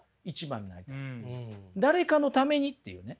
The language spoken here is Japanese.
「誰かのために」っていうね